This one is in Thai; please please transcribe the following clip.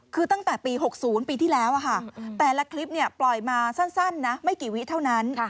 คือตั้งแต่ปี๖๐ปีที่แล้วแต่ละคลิปปล่อยมาสั้นนะไม่กี่วิเท่านั้น